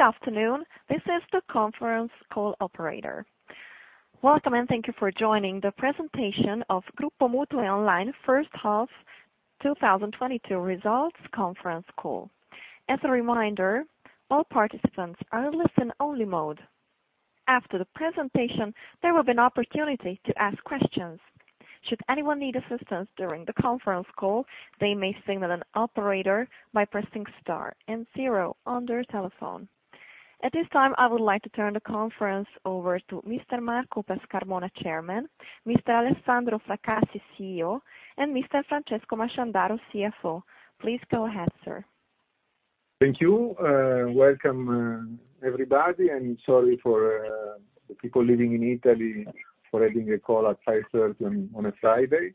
Good afternoon. This is the conference call operator. Welcome, and thank you for joining the presentation of Gruppo MutuiOnline First Half 2022 Results Conference Call. As a reminder, all participants are in listen only mode. After the presentation, there will be an opportunity to ask questions. Should anyone need assistance during the conference call, they may signal an operator by pressing star and zero on their telephone. At this time, I would like to turn the conference over to Mr. Marco Pescarmona, Chairman, Mr. Alessandro Fracassi, CEO, and Mr. Francesco Masciandaro, CFO. Please go ahead, sir. Thank you. Welcome everybody, and sorry for the people living in Italy for having a call at 5:30 P.M. on a Friday.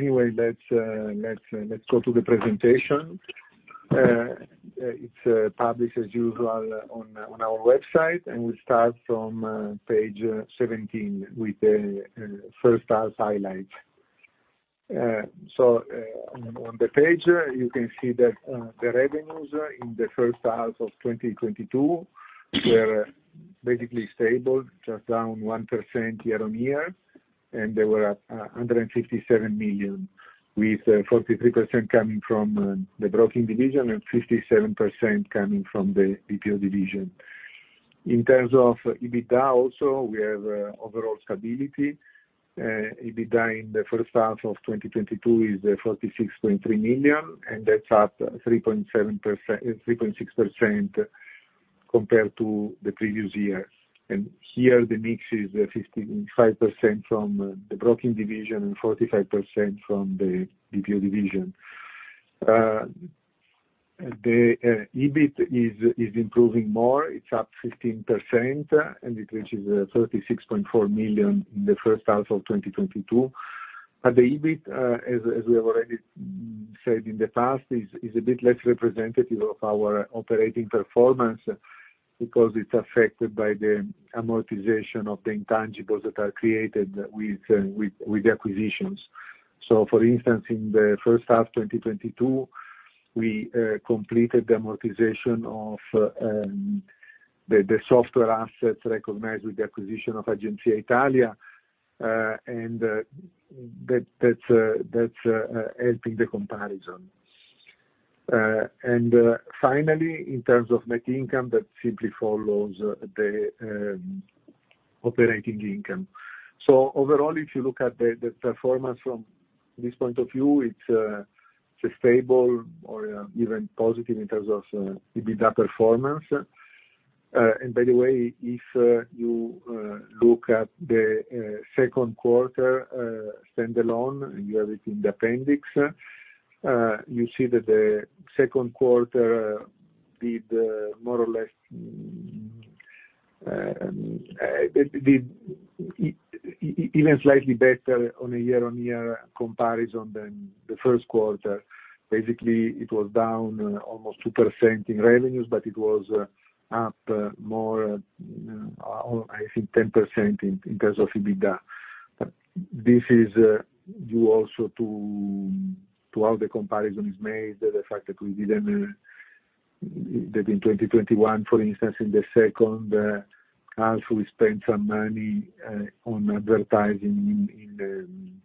Anyway, let's go to the presentation. It's published as usual on our website, and we start from page 17 with the first half highlights. On the page, you can see that the revenues in the first half of 2022 were basically stable, just down 1% year-on-year, and they were at 157 million, with 43% coming from the broking division and 57% coming from the BPO division. In terms of EBITDA also, we have overall stability. EBITDA in the first half of 2022 is 46.3 million, and that's up 3.6% compared to the previous year. Here the mix is 55% from the broking division and 45% from the BPO division. EBIT is improving more. It's up 15%, and it reaches 36.4 million in the first half of 2022. The EBIT, as we have already said in the past, is a bit less representative of our operating performance because it's affected by the amortization of the intangibles that are created with acquisitions. For instance, in the first half 2022, we completed the amortization of the software assets recognized with the acquisition of Agenzia Italia, and that's helping the comparison. Finally, in terms of net income, that simply follows the operating income. Overall, if you look at the performance from this point of view, it's stable or even positive in terms of EBITDA performance. By the way, if you look at the second quarter standalone, you have it in the appendix. You see that the second quarter did more or less even slightly better on a year-on-year comparison than the first quarter. Basically, it was down almost 2% in revenues, but it was up more, I think 10%, in terms of EBITDA. This is due also to how the comparison is made. The fact that in 2021, for instance, in the second half, we spent some money on advertising in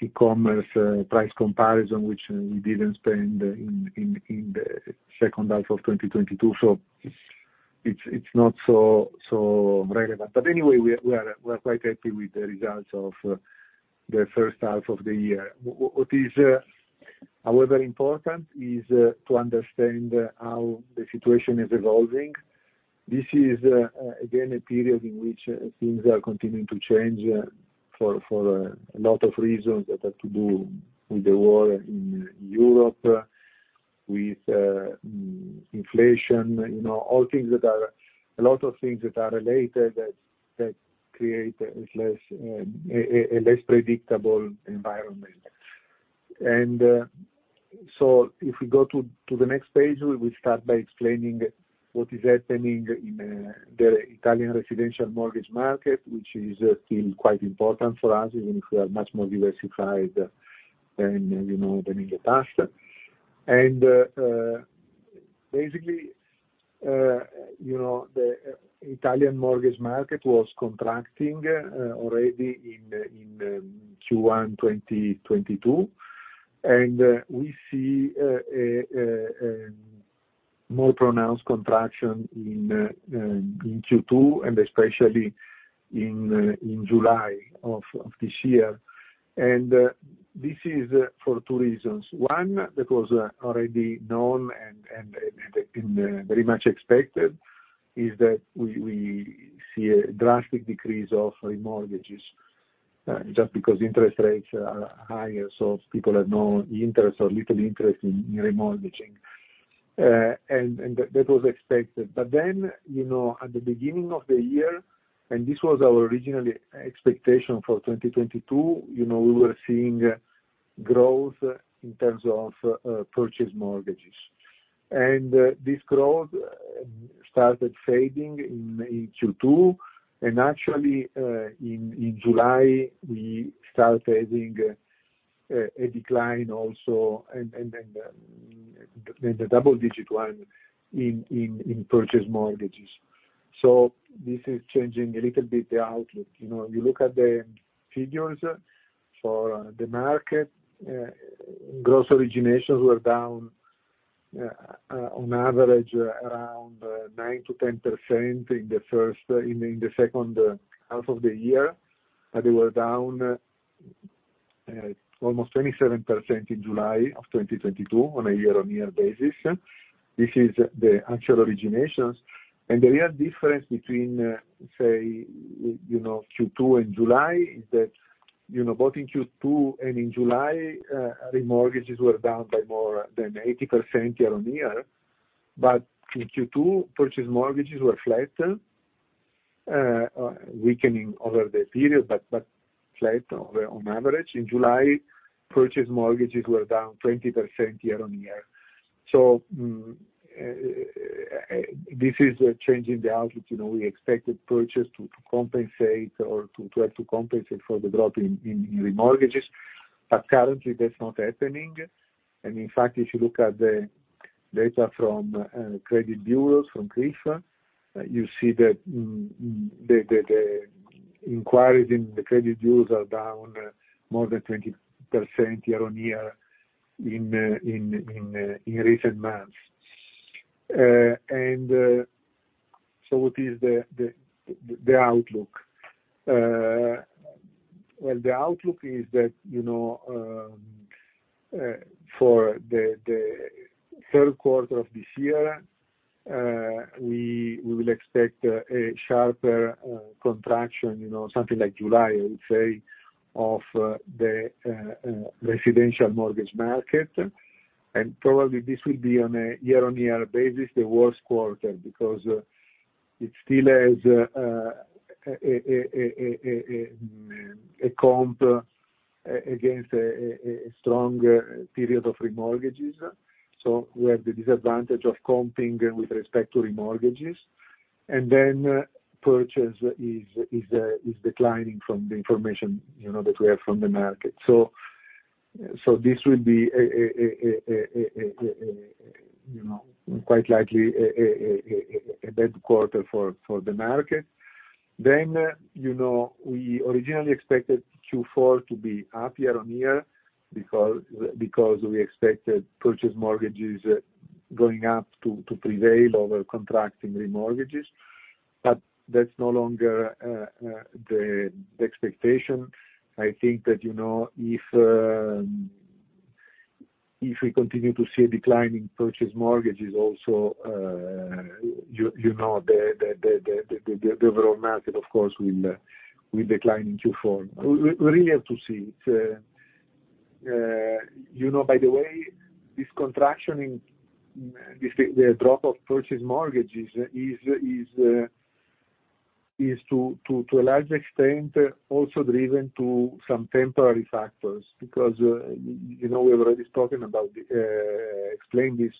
e-commerce price comparison, which we didn't spend in the second half of 2022. It's not so relevant. Anyway, we're quite happy with the results of the first half of the year. What is however important is to understand how the situation is evolving. This is again a period in which things are continuing to change for a lot of reasons that have to do with the war in Europe, with inflation, you know, a lot of things that are related that create a less predictable environment. So if we go to the next page, we start by explaining what is happening in the Italian residential mortgage market, which is still quite important for us, even if we are much more diversified than you know than in the past. Basically, you know, the Italian mortgage market was contracting already in Q1 2022. We see a more pronounced contraction in Q2 and especially in July of this year. This is for two reasons. One, that was already known and been very much expected, is that we see a drastic decrease of remortgages just because interest rates are higher, so people have no interest or little interest in remortgaging. That was expected. You know, at the beginning of the year, and this was our original expectation for 2022, you know, we were seeing growth in terms of purchase mortgages. This growth started fading in Q2, and actually, in July, we started having a decline also and then the double-digit one in purchase mortgages. This is changing a little bit the outlook. You know, you look at the figures for the market, gross originations were down on average around 9%-10% in the second half of the year. They were down almost 27% in July of 2022 on a year-on-year basis. This is the actual originations. The real difference between, say, you know, Q2 and July is that, you know, both in Q2 and in July, remortgages were down by more than 80% year-on-year. In Q2, purchase mortgages were flatter, weakening over the period, but flat over on average. In July, purchase mortgages were down 20% year-on-year. This is changing the outlook. You know, we expected purchase to compensate or to have to compensate for the drop in remortgages, but currently that's not happening. In fact, if you look at the data from credit bureaus, from CRIF, you see that the inquiries in the credit bureaus are down more than 20% year-on-year in recent months. What is the outlook? Well, the outlook is that, you know, for the third quarter of this year, we will expect a sharper contraction, you know, something like July, I would say, of the residential mortgage market. Probably this will be on a year-on-year basis, the worst quarter, because it still has comp against a stronger period of remortgages. We have the disadvantage of comping with respect to remortgages. Purchase is declining from the information, you know, that we have from the market. This will be, you know, quite likely a bad quarter for the market. You know, we originally expected Q4 to be up year-on-year because we expected purchase mortgages going up to prevail over contracting remortgages. That's no longer the expectation. I think that, you know, if we continue to see a decline in purchase mortgages also, you know, the overall market of course will decline in Q4. We really have to see. It's, you know, by the way, this contraction, the drop of purchase mortgages is to a large extent also driven by some temporary factors. You know, we've already spoken about and explained this.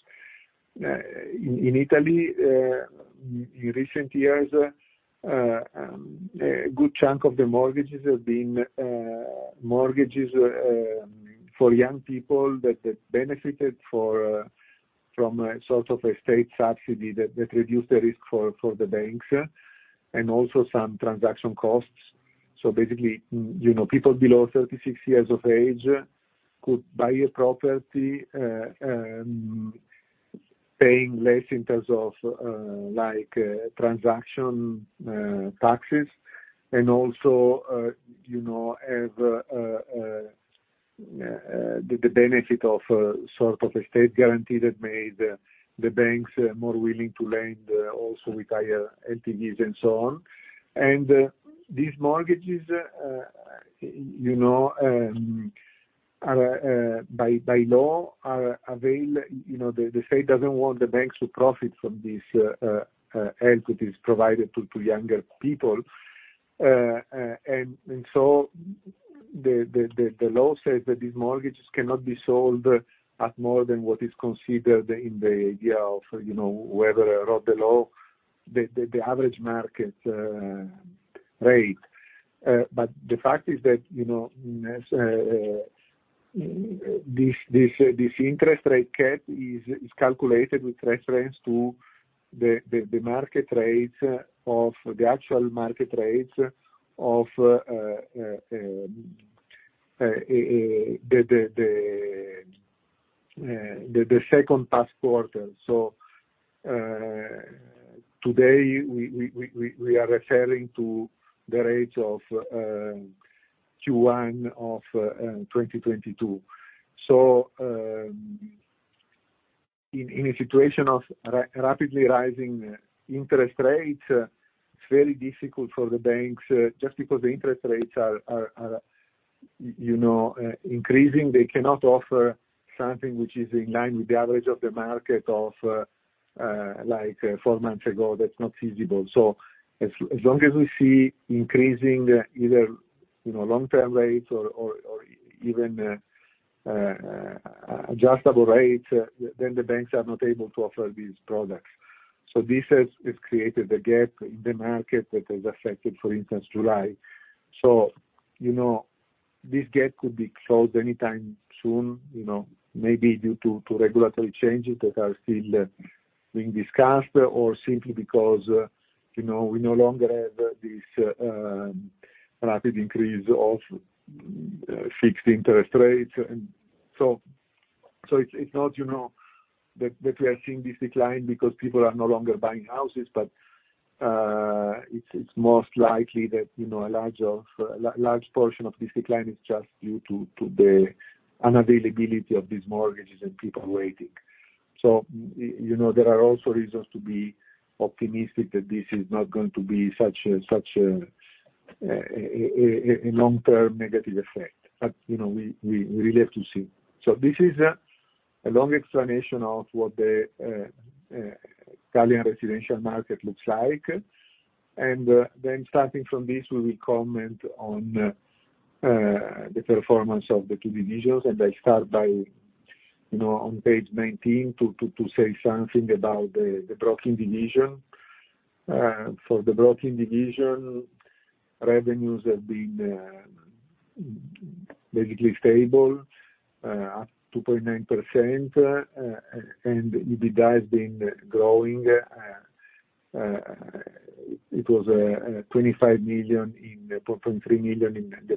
In Italy, in recent years, a good chunk of the mortgages have been mortgages for young people that benefited from a sort of a state subsidy that reduced the risk for the banks and also some transaction costs. Basically, you know, people below 36 years of age could buy a property, paying less in terms of, like, transaction taxes and also, you know, have the benefit of a sort of a state guarantee that made the banks more willing to lend also with higher LTVs and so on. These mortgages, you know, are by law available. You know, the state doesn't want the banks to profit from this help that is provided to younger people. The law says that these mortgages cannot be sold at more than what is considered in the idea of, you know, whoever wrote the law, the average market rate. The fact is that, you know, this interest rate cap is calculated with reference to the market rate of the actual market rate of the second past quarter. Today, we are referring to the rates of Q1 of 2022. In a situation of rapidly rising interest rates, it's very difficult for the banks. Just because the interest rates are, you know, increasing, they cannot offer something which is in line with the average of the market of like four months ago. That's not feasible. As long as we see increasing either, you know, long-term rates or even adjustable rate, then the banks are not able to offer these products. This has created a gap in the market that has affected, for instance, July. You know, this gap could be closed any time soon, you know, maybe due to regulatory changes that are still being discussed or simply because, you know, we no longer have this rapid increase of fixed interest rates. It's not, you know, that we are seeing this decline because people are no longer buying houses, but it's most likely that, you know, a large portion of this decline is just due to the unavailability of these mortgages and people waiting. You know, there are also reasons to be optimistic that this is not going to be such a long-term negative effect. You know, we really have to see. This is a long explanation of what the Italian residential market looks like. Starting from this, we will comment on the performance of the two divisions, and I start by you know on page 19 to say something about the broking division. For the broking division, revenues have been basically stable, up 2.9%, and EBITDA has been growing. It was 4.3 million in the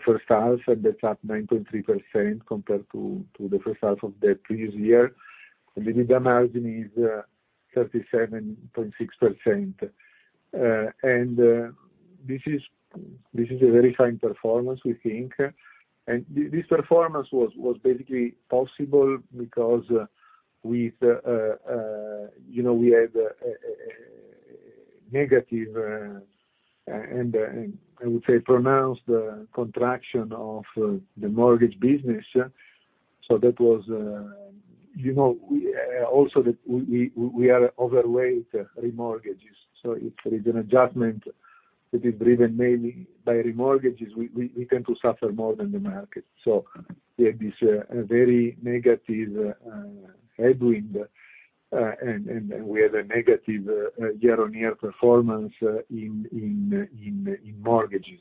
first half, and that's up 9.3% compared to the first half of the previous year. The EBITDA margin is 37.6%. This is a very fine performance, we think. This performance was basically possible because with you know we had negative and I would say pronounced contraction of the mortgage business. That was you know we also that we are overweight remortgages. If there is an adjustment that is driven mainly by remortgages, we tend to suffer more than the market. We have this very negative headwind and we have a negative year-on-year performance in mortgages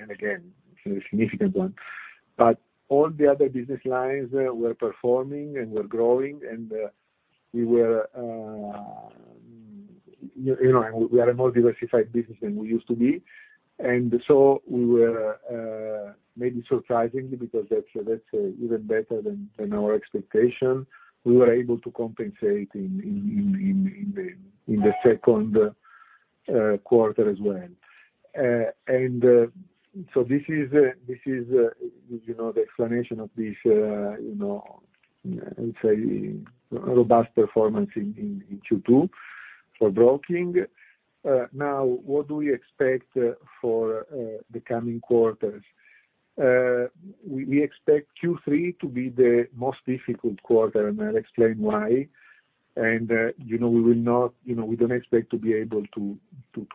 and again it's a significant one. All the other business lines were performing and were growing and you know we were you know and we are a more diversified business than we used to be. We were maybe surprisingly, because actually that's even better than our expectation, we were able to compensate in the second quarter as well. This is you know the explanation of this you know let's say robust performance in Q2 for broking. Now, what do we expect for the coming quarters? We expect Q3 to be the most difficult quarter, and I'll explain why. You know, we will not. You know, we don't expect to be able to do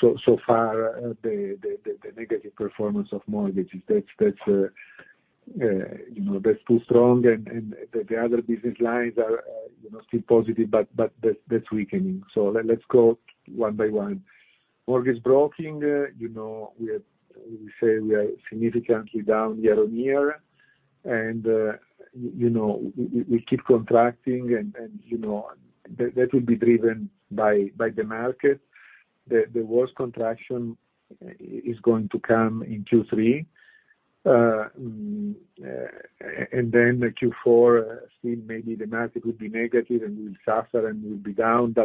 so for the negative performance of mortgages. That's you know, that's too strong and the other business lines are you know, still positive, but that's weakening. Let's go one by one. Mortgage broking, you know, we say we are significantly down year-on-year. You know, we keep contracting and you know, that will be driven by the market. The worst contraction is going to come in Q3. Then Q4, still maybe the market will be negative and we'll suffer and we'll be down.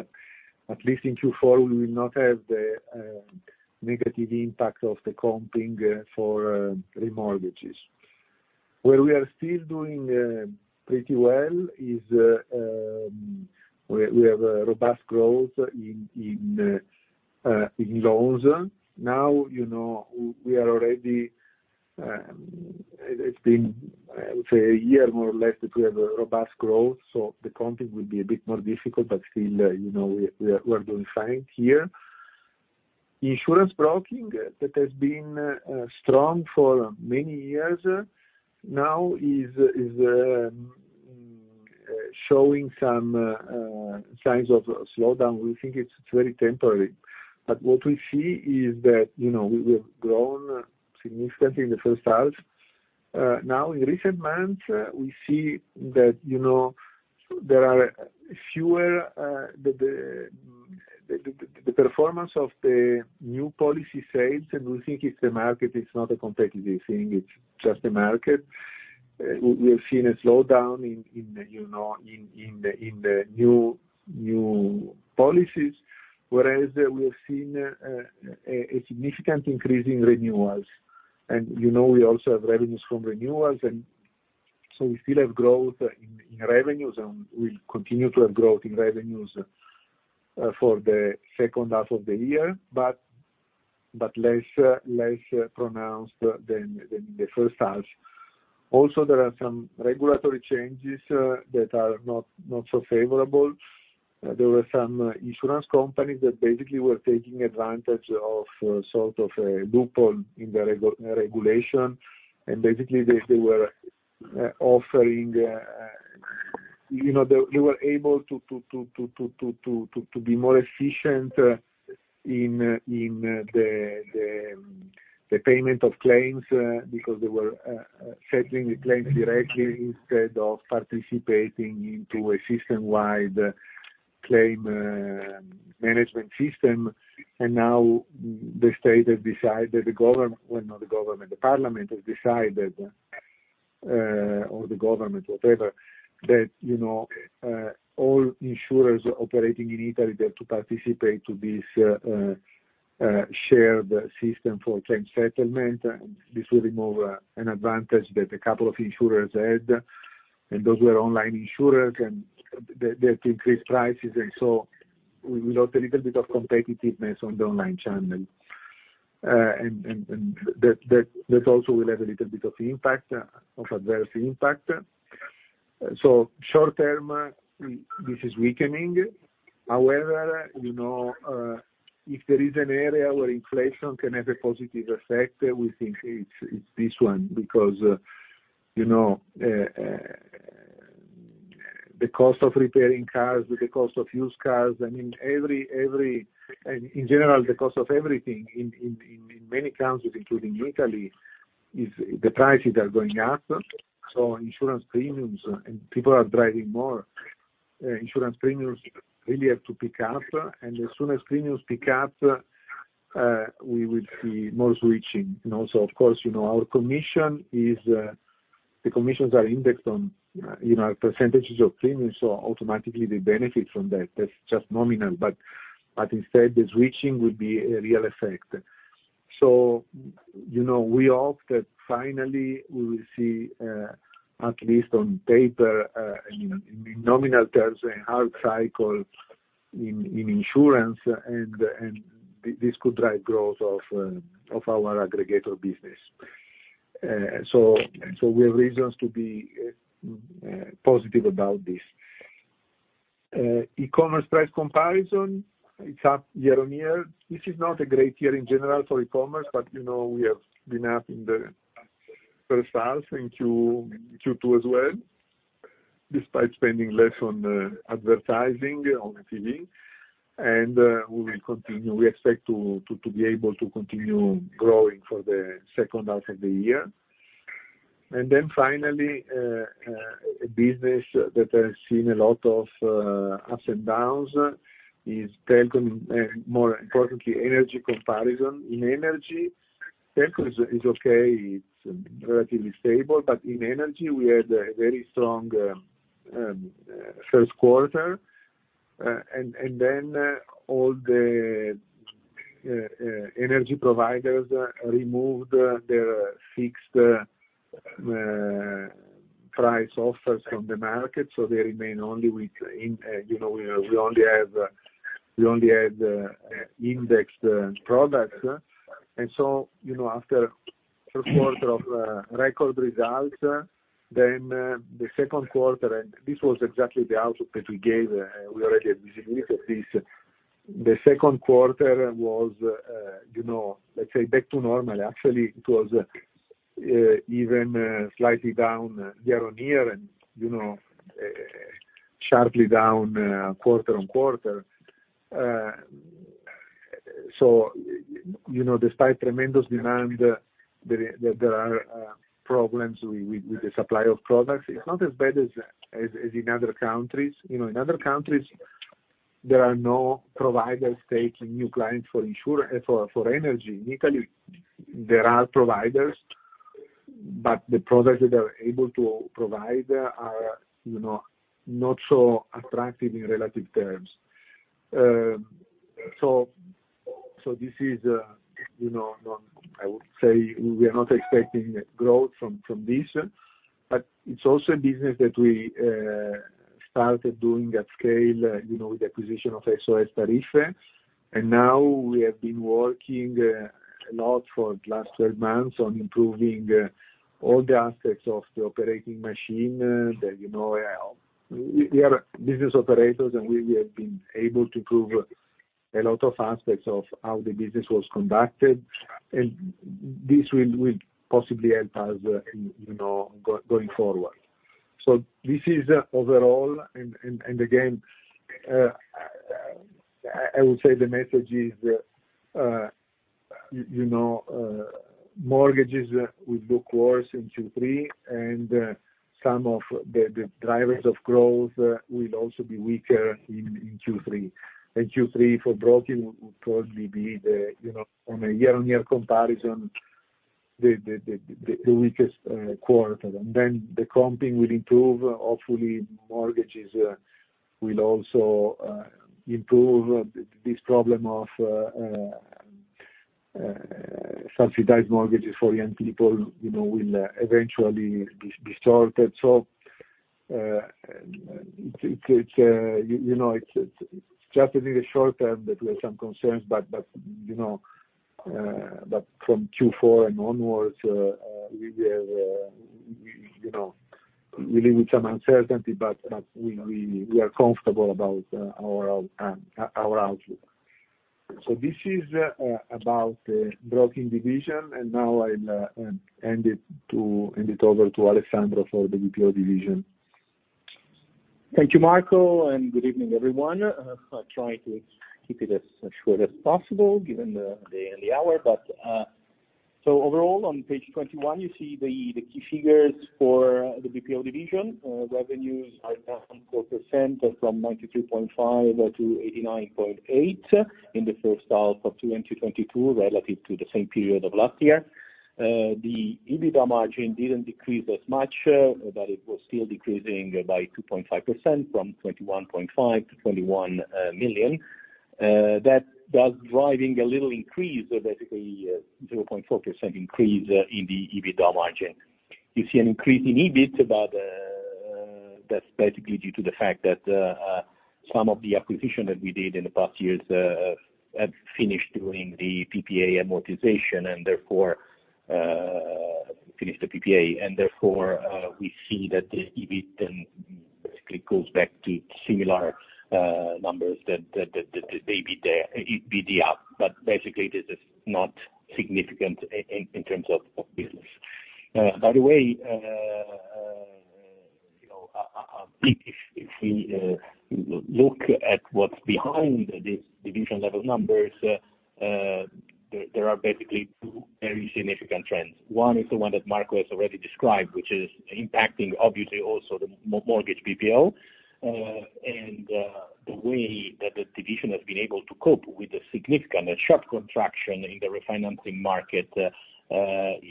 At least in Q4, we will not have the negative impact of the comping for remortgages. Where we are still doing pretty well is we have a robust growth in loans. Now, you know, we are already, it's been, I would say, a year more or less that we have a robust growth, so the comps will be a bit more difficult, but still, you know, we are doing fine here. Insurance broking, that has been strong for many years, now is showing some signs of slowdown. We think it's very temporary. What we see is that, you know, we've grown significantly in the first half. Now, in recent months, we see that, you know, there are fewer, the performance of the new policy sales, and we think it's the market, it's not a competitive thing, it's just the market. We've seen a slowdown in you know the new policies, whereas we have seen a significant increase in renewals. You know, we also have revenues from renewals, and so we still have growth in revenues, and we'll continue to have growth in revenues for the second half of the year, but less pronounced than in the first half. Also, there are some regulatory changes that are not so favorable. There were some insurance companies that basically were taking advantage of sort of a loophole in the regulation, and basically, they were offering, you know, they were able to be more efficient in the payment of claims because they were settling the claims directly instead of participating in a system-wide claim management system. Now the state has decided, the government, well, not the government, the parliament has decided, or the government, whatever, that, you know, all insurers operating in Italy have to participate in this shared system for claim settlement. This will remove an advantage that a couple of insurers had, and those were online insurers, and they have increased prices. We lost a little bit of competitiveness on the online channel. And that also will have a little bit of impact of adverse impact. Short term, this is weakening. However, you know, if there is an area where inflation can have a positive effect, we think it's this one. Because, you know, the cost of repairing cars, the cost of used cars, I mean, every in general, the cost of everything in many countries, including Italy, is the prices are going up. Insurance premiums, and people are driving more, insurance premiums really have to pick up. As soon as premiums pick up, we will see more switching. You know, of course, you know our commission is, the commissions are indexed on, you know, percentages of premiums, so automatically we benefit from that. That's just nominal. Instead, the switching would be a real effect. You know, we hope that finally we will see at least on paper, you know, in nominal terms, an up cycle in insurance, and this could drive growth of our aggregator business. We have reasons to be positive about this. E-commerce price comparison, it's up year-over-year. This is not a great year in general for e-commerce, but you know, we have been up in the first half, in Q2 as well, despite spending less on advertising on TV. We will continue. We expect to be able to continue growing for the second half of the year. Then finally, a business that has seen a lot of ups and downs is telecom, more importantly, energy comparison. In energy, telecom is okay, it's relatively stable. In energy, we had a very strong first quarter. Then all the energy providers removed their fixed price offers from the market, so they remain only with indexed products. You know, we only have indexed products. You know, after first quarter of record results, the second quarter, this was exactly the outlook that we gave. We already anticipated this. The second quarter was you know, let's say back to normal. Actually, it was even slightly down year-over-year and, you know, sharply down quarter-over-quarter. You know, despite tremendous demand, there are problems with the supply of products. It's not as bad as in other countries. You know, in other countries, there are no providers taking new clients for energy. In Italy, there are providers, but the products that they are able to provide are, you know, not so attractive in relative terms. This is, you know, not. I would say we are not expecting growth from this. It's also a business that we started doing at scale, you know, with the acquisition of SOStariffe. Now we have been working a lot for the last 12 months on improving all the aspects of the operating machine. You know, we are business operators, and we have been able to improve a lot of aspects of how the business was conducted, and this will possibly help us in you know, going forward. This is overall, and again, I would say the message is you know, mortgages will look worse in Q3, and some of the drivers of growth will also be weaker in Q3. Q3 for broking will probably be the you know, on a year-on-year comparison, the weakest quarter. Then the comping will improve. Hopefully mortgages will also improve. This problem of subsidized mortgages for young people, you know, will eventually be sorted. It's just in the short term that we have some concerns, but you know, but from Q4 and onwards, we will, you know, really with some uncertainty, but we are comfortable about our outlook. This is about the Broking division, and now I'll hand it over to Alessandro for the BPO division. Thank you, Marco, and good evening, everyone. I'll try to keep it as short as possible given the day and the hour. Overall, on page 21, you see the key figures for the BPO division. Revenues are down 4% from 92.5 to 89.8 in the first half of 2022 relative to the same period of last year. The EBITDA margin didn't decrease as much, but it was still decreasing by 2.5% from 21.5 million to 21 million. That's driving a little increase of basically a 0.4% increase in the EBITDA margin. You see an increase in EBIT, but that's basically due to the fact that some of the acquisitions that we did in the past years have finished doing the PPA amortization and therefore finished the PPA. Therefore we see that the EBIT then basically goes back to similar numbers to the EBITDA. But basically, this is not significant in terms of business. By the way, you know, if we look at what's behind these division level numbers, there are basically two very significant trends. One is the one that Marco has already described, which is impacting obviously also the mortgage BPO. The way that the division has been able to cope with the significant and sharp contraction in the refinancing market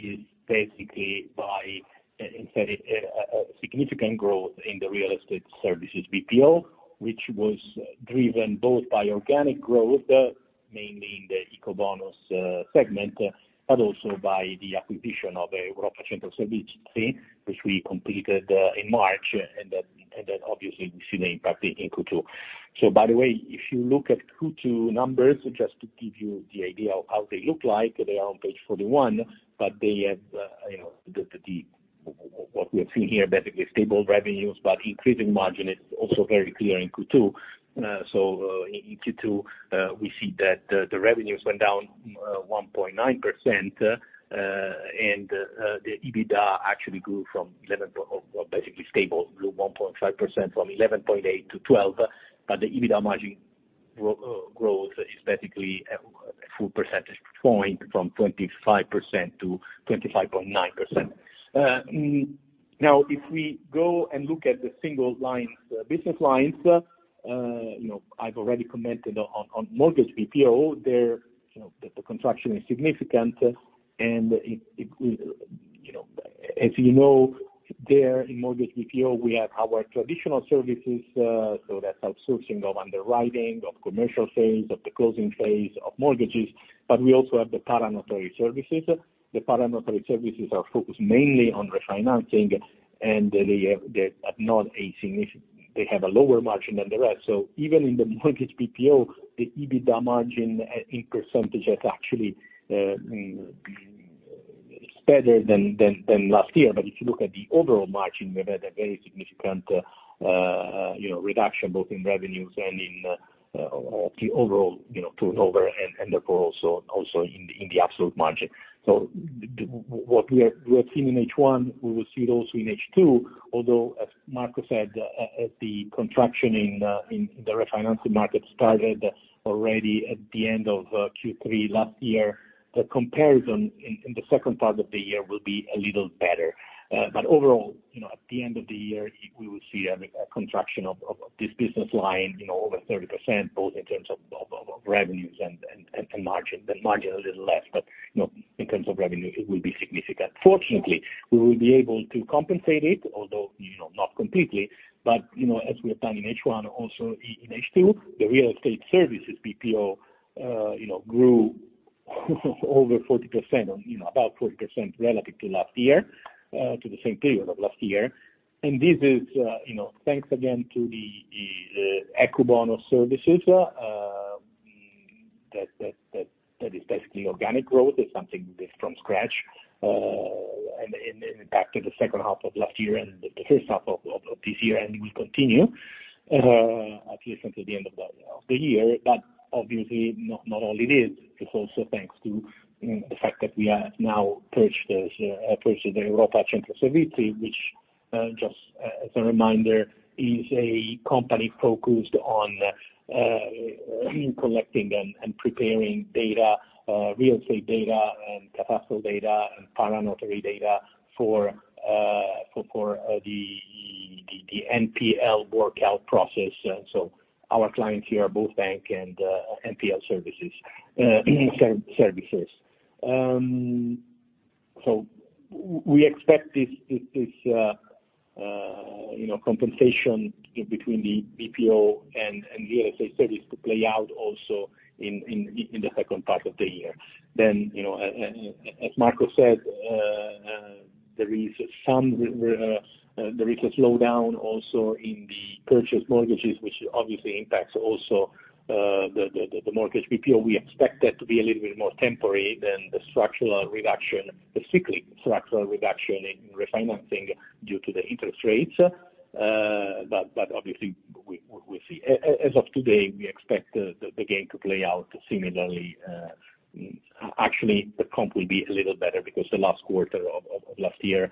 is basically by instead a significant growth in the real estate services BPO, which was driven both by organic growth, mainly in the Ecobonus segment, but also by the acquisition of Europa Centro Servizi, which we completed in March, and then obviously we see the impact in Q2. By the way, if you look at Q2 numbers, just to give you the idea of how they look like, they are on page 41, but they have, you know, what we have seen here, basically stable revenues, but increasing margin is also very clear in Q2. In Q2, we see that the revenues went down 1.9%, and the EBITDA actually grew or basically stable, grew 1.5% from 11.8 to 12. The EBITDA margin growth is basically a full percentage point from 25% to 25.9%. Now, if we go and look at the single lines, business lines, you know, I've already commented on mortgage BPO. There, you know, the contraction is significant, and it you know, as you know, there in mortgage BPO, we have our traditional services, so that's outsourcing of underwriting, of commercial sales, of the closing phase, of mortgages, but we also have the para-notary services. The para-notary services are focused mainly on refinancing. They have a lower margin than the rest. Even in the mortgage BPO, the EBITDA margin in percentage is actually better than last year. If you look at the overall margin, we've had a very significant you know reduction both in revenues and in the overall you know turnover and therefore also in the absolute margin. What we are seeing in H1, we will see it also in H2, although as Marco said, the contraction in the refinancing market started already at the end of Q3 last year. The comparison in the second part of the year will be a little better. Overall, you know, at the end of the year, we will see a contraction of this business line, you know, over 30%, both in terms of revenues and margin. The margin a little less, but you know, in terms of revenue, it will be significant. Fortunately, we will be able to compensate it, although, you know, not completely, but, you know, as we have done in H1, also in H2, the real estate services BPO, you know, grew over 40% on, you know, about 40% relative to last year, to the same period of last year. This is, you know, thanks again to the Ecobonus services that is basically organic growth. It's something built from scratch, and impact to the second half of last year and the first half of this year, and will continue at least until the end of the year. Obviously not only this. It's also thanks to, you know, the fact that we have now purchased the Europa Centro Servizi, which, just as a reminder, is a company focused on collecting and preparing data, real estate data and cadastral data and para-notary data for the NPL workout process. Our clients here are both bank and NPL services. We expect this, you know, compensation between the BPO and real estate service to play out also in the second part of the year. As Marco said, there is a slowdown also in the purchase mortgages, which obviously impacts also the mortgage BPO. We expect that to be a little bit more temporary than the structural reduction, the cyclical structural reduction in refinancing due to the interest rates. Obviously we'll see. As of today, we expect the gain to play out similarly. Actually, the comp will be a little better because the last quarter of last year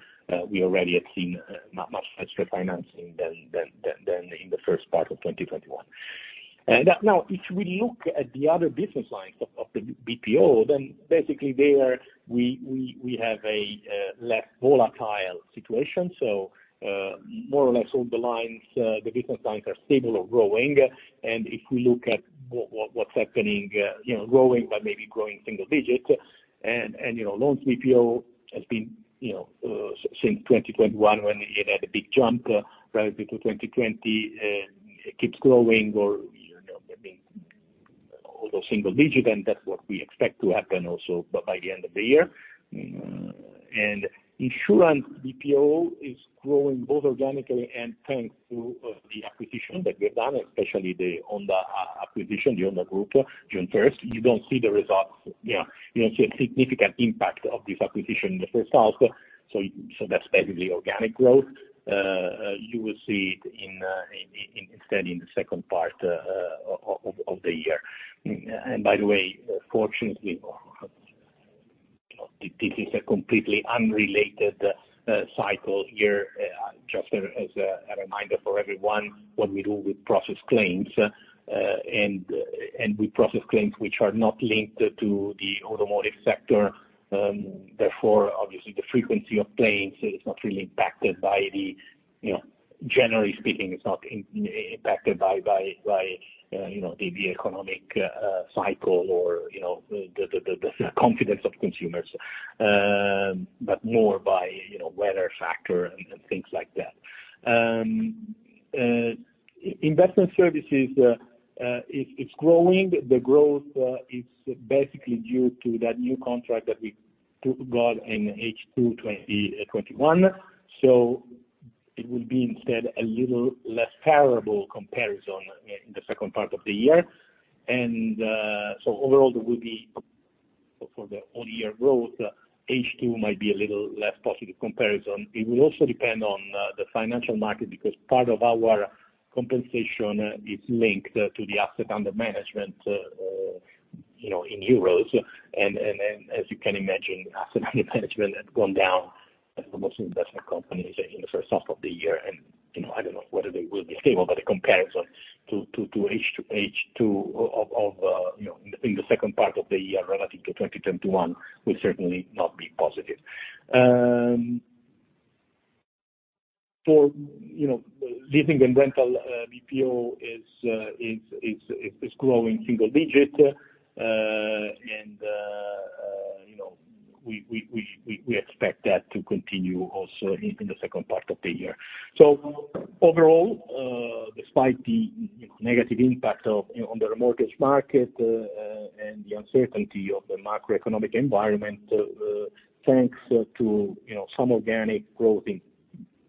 we already had seen not much extra financing than in the first part of 2021. Now, if we look at the other business lines of the BPO, then basically there we have a less volatile situation. More or less all the lines, the business lines are stable or growing. If we look at what's happening, you know, growing but maybe growing single digits. You know, loans BPO has been, you know, since 2021 when it had a big jump relative to 2020, it keeps growing or, you know, I mean, although single digit, and that's what we expect to happen also by the end of the year. Insurance BPO is growing both organically and thanks to the acquisition that we've done, especially the Onda acquisition, the Onda Group, June 1st. You don't see the results, you know, you don't see a significant impact of this acquisition in the first half, so that's basically organic growth. You will see it instead in the second part of the year. By the way, fortunately, this is a completely unrelated cycle here. Just as a reminder for everyone, what we do, we process claims. And we process claims which are not linked to the automotive sector, therefore, obviously the frequency of claims is not really impacted by, you know, generally speaking, it's not impacted by the economic cycle or, you know, the confidence of consumers, but more by, you know, weather factor and things like that. Investment services, it's growing. The growth is basically due to that new contract that we got in H2 2021. It will be instead a little less favorable comparison in the second part of the year. Overall there will be, for the whole year growth, H2 might be a little less positive comparison. It will also depend on the financial market because part of our compensation is linked to the asset under management, you know, in euros. As you can imagine, asset under management has gone down as for most investment companies in the first half of the year. You know, I don't know whether they will be stable, but the comparison to H2 of the second part of the year relative to 2021 will certainly not be positive. You know, for leasing and rental BPO is growing single digit. You know, we expect that to continue also in the second part of the year. Overall, despite the you know negative impact on the remortgage market and the uncertainty of the macroeconomic environment, thanks to you know some organic growth in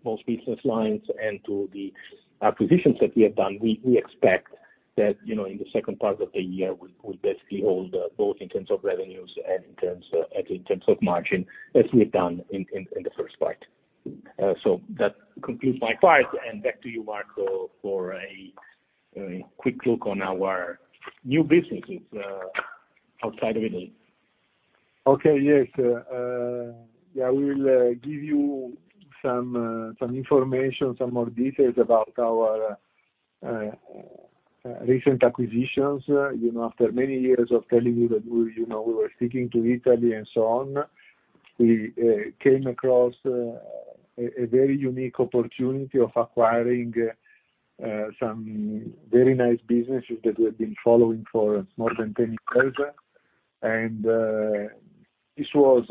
most business lines and to the acquisitions that we have done, we expect that you know in the second part of the year, we basically hold both in terms of revenues and in terms of margin as we have done in the first part. That concludes my part, and back to you, Marco, for a quick look on our new businesses outside of Italy. Okay. Yes. Yeah, we will give you some information, some more details about our recent acquisitions. You know, after many years of telling you that we, you know, we were sticking to Italy and so on, we came across a very unique opportunity of acquiring some very nice businesses that we have been following for more than 10 years. This was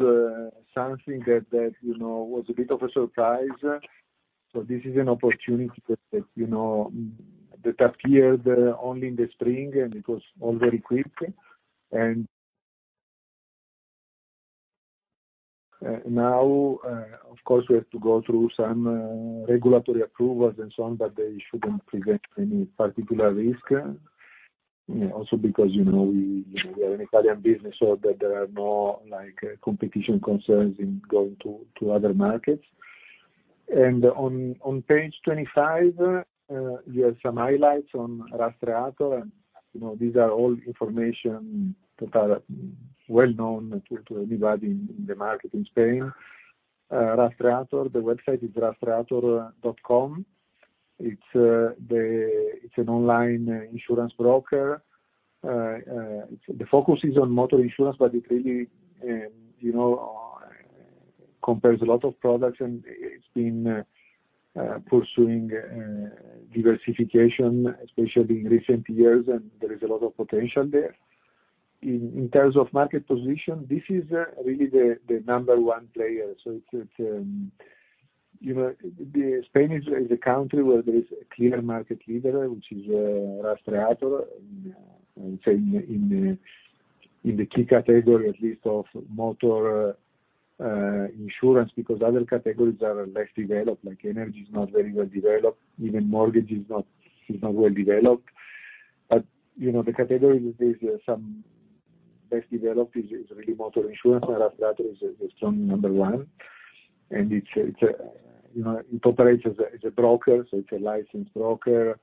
something that, you know, was a bit of a surprise. This is an opportunity that, you know, that appeared only in the spring, and it was all very quick. Now, of course, we have to go through some regulatory approvals and so on, but they shouldn't present any particular risk. Also because, you know, we are an Italian business, so that there are no, like, competition concerns in going to other markets. On page 25, you have some highlights on Rastreator. You know, these are all information that are well known to anybody in the market in Spain. Rastreator, the website is Rastreator.com. It's an online insurance broker. The focus is on motor insurance, but it really, you know, compares a lot of products, and it's been pursuing diversification, especially in recent years, and there is a lot of potential there. In terms of market position, this is really the number one player. You know, Spain is a country where there is a clear market leader, which is Rastreator, say, in the key category, at least of motor insurance, because other categories are less developed, like energy is not very well developed. Even mortgage is not well developed. You know, the category that is the best developed is really motor insurance, and Rastreator is a strong number one. It operates as a broker, so it's a licensed broker.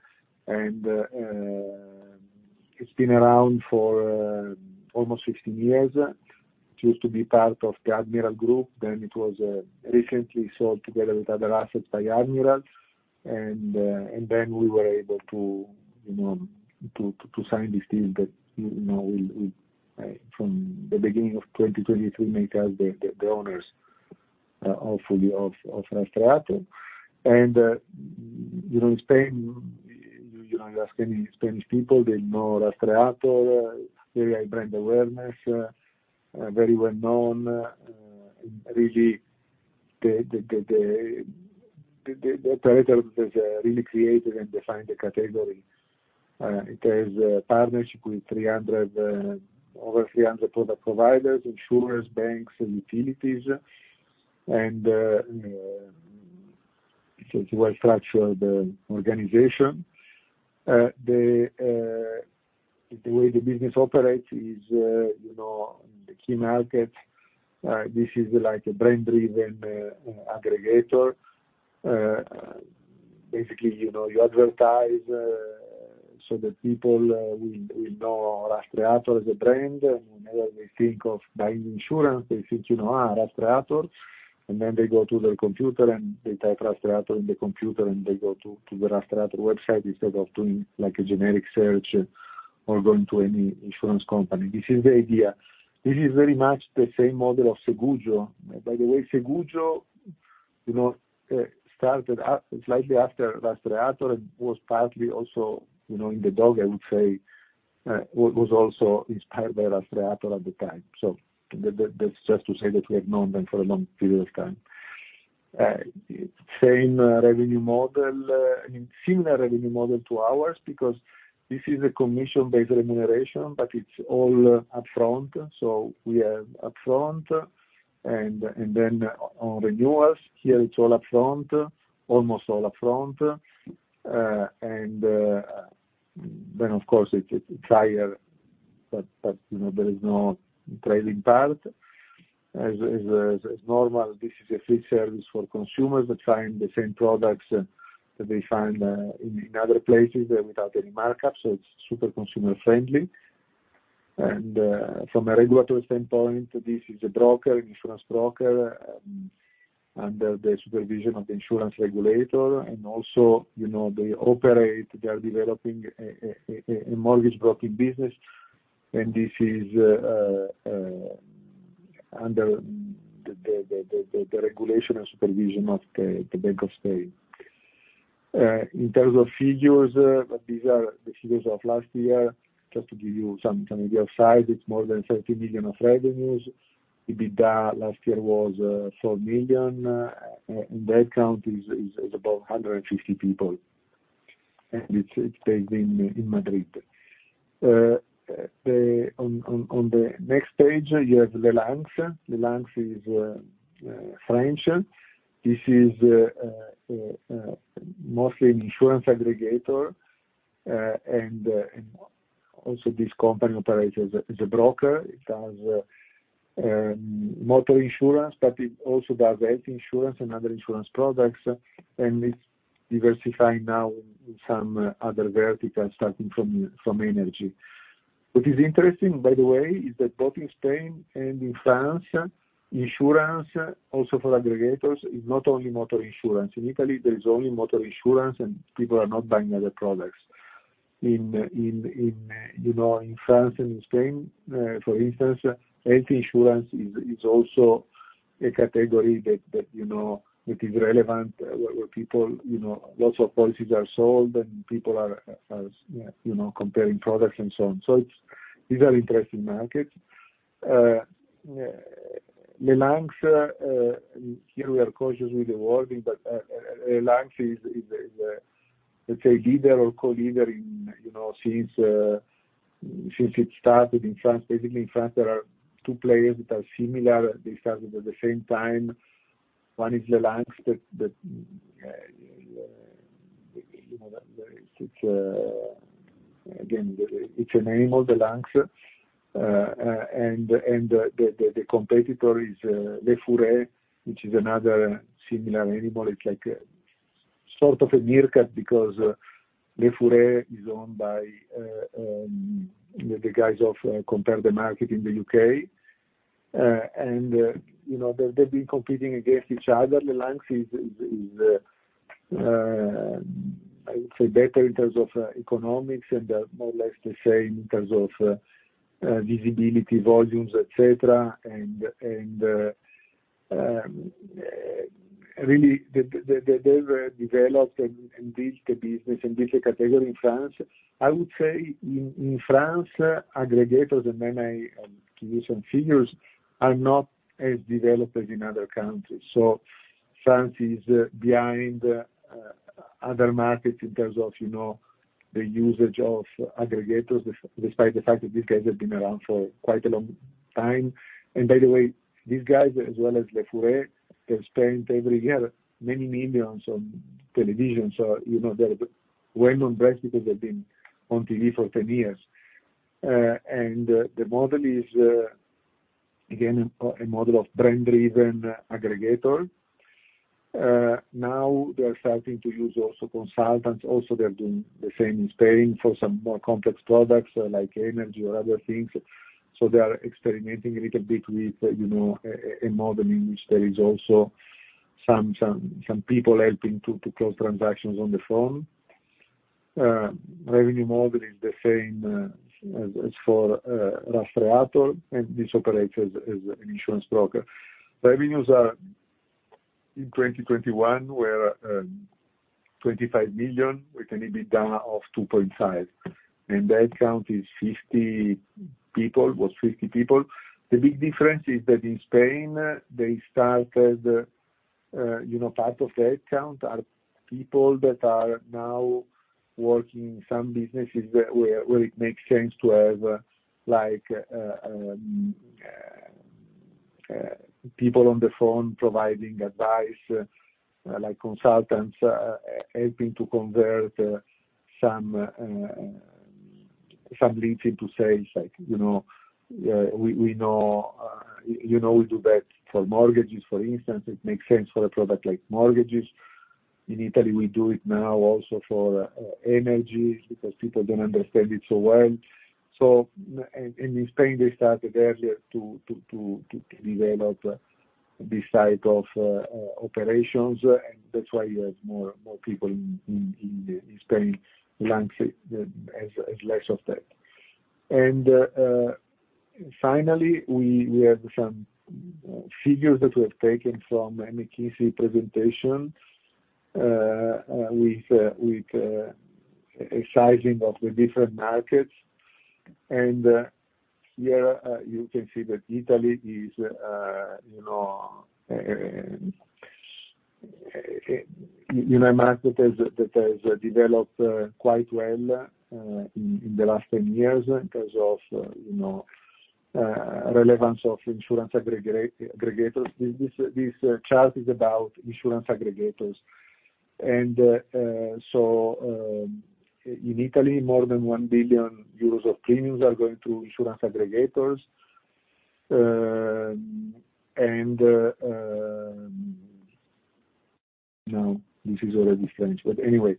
It's been around for almost 15 years. It used to be part of the Admiral Group, then it was recently sold together with other assets by Admiral. Then we were able to, you know, to sign this deal that, you know, from the beginning of 2023 makes us the owners of Rastreator. You know, in Spain, you know, you ask any Spanish people, they know Rastreator, very high brand awareness, very well known, really the operator has really created and defined the category. It has a partnership with over 300 product providers, insurers, banks, and utilities. You know, it's a well-structured organization. The way the business operates is, you know, the key markets, this is like a brand-driven aggregator. Basically, you know, you advertise so that people will know Rastreator as a brand. Whenever they think of buying insurance, they think, you know, Rastreator. They go to their computer, and they type Rastreator in the computer, and they go to the Rastreator website instead of doing like a generic search or going to any insurance company. This is the idea. This is very much the same model of Segugio.it. By the way, Segugio.it, you know, started slightly after Rastreator and was partly also inspired by Rastreator at the time. That's just to say that we have known them for a long period of time. Same revenue model, I mean, similar revenue model to ours because this is a commission-based remuneration, but it's all upfront. We are upfront, and then on renewals, here it's all upfront, almost all upfront. Of course it's higher, but you know, there is no trailing part. As normal, this is a free service for consumers that find the same products that they find in other places without any markup, so it's super consumer-friendly. From a regulatory standpoint, this is a broker, an insurance broker, under the supervision of the insurance regulator. You know, they operate, they are developing a mortgage broking business, and this is under the regulation and supervision of the Bank of Spain. In terms of figures, these are the figures of last year. Just to give you some idea of size, it's more than 30 million of revenues. EBITDA last year was 4 million. Headcount is about 150 people. It's based in Madrid. On the next page, you have LeLynx.fr. LeLynx.fr is mostly an insurance aggregator, and also this company operates as a broker. It has motor insurance, but it also does health insurance and other insurance products. It's diversifying now in some other verticals, starting from energy. What is interesting, by the way, is that both in Spain and in France, insurance, also for aggregators, is not only motor insurance. In Italy, there is only motor insurance, and people are not buying other products. In you know in France and in Spain for instance health insurance is also a category that you know it is relevant where people you know lots of policies are sold and people are you know comparing products and so on. These are interesting markets. LeLynx.fr here we are cautious with the wording but LeLynx.fr is a let's say leader or co-leader in you know since it started in France. Basically in France there are two players that are similar. They started at the same time. One is LeLynx.fr that you know that there is it's again it's a name of the Lynx. The competitor is LesFurets.com which is another similar animal. It's like a sort of a meerkat because LesFurets.com is owned by the guys of Compare the Market in the UK. You know, they've been competing against each other. LeLynx.fr is I would say better in terms of economics and more or less the same in terms of visibility, volumes, et cetera. They've developed and built a business in this category in France. I would say in France, aggregators are not as developed as in other countries. France is behind other markets in terms of you know the usage of aggregators, despite the fact that these guys have been around for quite a long time. By the way, these guys, as well as LesFurets.com, they spend every year many millions on television. You know, they're well-known brands because they've been on TV for 10 years. The model is, again, a model of brand-driven aggregator. Now they are starting to use also consultants. Also they're doing the same in Spain for some more complex products, like energy or other things. They are experimenting a little bit with, you know, a modeling. There is also some people helping to close transactions on the phone. Revenue model is the same as for Rastreator, and this operates as an insurance broker. Revenues in 2021 were 25 million, with an EBITDA of 2.5 million. The headcount is 50 people. The big difference is that in Spain, they started, you know, part of the headcount are people that are now working in some businesses where it makes sense to have, like, people on the phone providing advice, like consultants, helping to convert some leads into sales. Like, you know, we know, you know, we do that for mortgages, for instance. It makes sense for a product like mortgages. In Italy, we do it now also for energy because people don't understand it so well. In Spain, they started earlier to develop this side of operations. That's why you have more people in Spain. LeLynx has less of that. Finally, we have some figures that we have taken from a McKinsey presentation with a sizing of the different markets. Here you can see that Italy is you know a market that has developed quite well in the last 10 years in terms of you know relevance of insurance aggregators. This chart is about insurance aggregators. In Italy, more than 1 billion euros of premiums are going to insurance aggregators. No, this is already French. Anyway,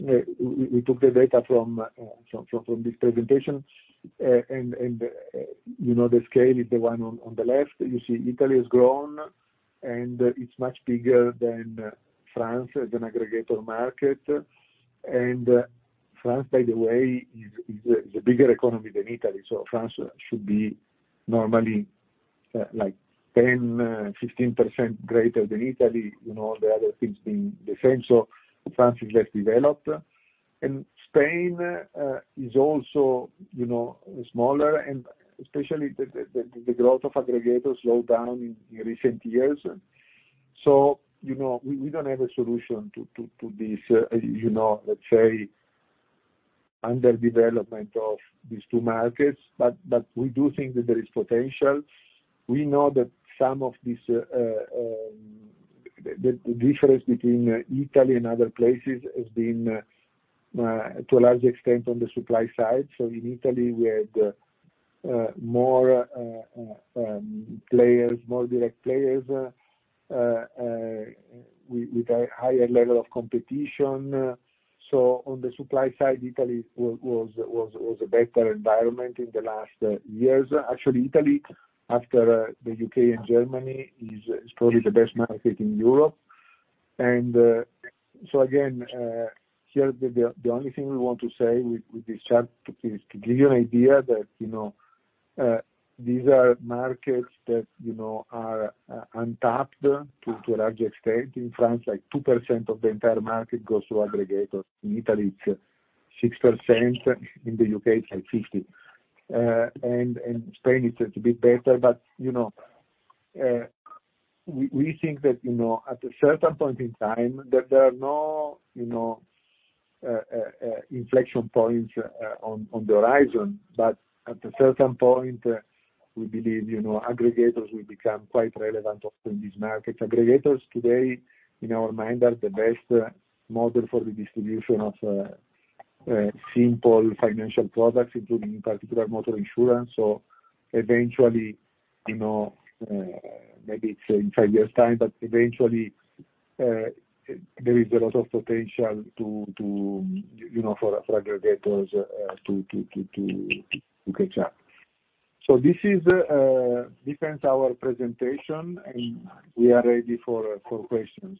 we took the data from this presentation. You know, the scale is the one on the left. You see Italy has grown, and it's much bigger than France as an aggregator market. France, by the way, is a bigger economy than Italy. France should be normally like 10%-15% greater than Italy. You know, the other things being the same, France is less developed. Spain is also, you know, smaller and especially the growth of aggregators slowed down in recent years. You know, we don't have a solution to this, you know, let's say, underdevelopment of these two markets. We do think that there is potential. We know that some of this, the difference between Italy and other places has been to a large extent on the supply side. In Italy, we had more players, more direct players with a higher level of competition. On the supply side, Italy was a better environment in the last years. Actually, Italy, after the U.K. and Germany, is probably the best market in Europe. Again, here, the only thing we want to say with this chart is to give you an idea that, you know, these are markets that, you know, are untapped to a large extent. In France, like 2% of the entire market goes to aggregators. In Italy, it's 6%. In the U.K., it's like 50%. Spain is a bit better. You know, we think that, you know, at a certain point in time that there are no, you know, inflection points on the horizon. At a certain point, we believe, you know, aggregators will become quite relevant also in these markets. Aggregators today, in our mind, are the best model for the distribution of simple financial products, including in particular motor insurance. Eventually, you know, maybe it's in five years' time, but eventually, there is a lot of potential to, you know, for aggregators to catch up. This ends our presentation, and we are ready for questions.